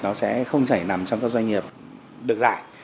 nó sẽ không chảy nằm trong các doanh nghiệp được giải